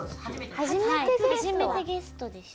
初めてゲスト。